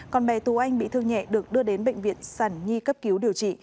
còn bé tú anh bị thương nhẹ được đưa đến bệnh viện sản nhi cấp cứu điều trị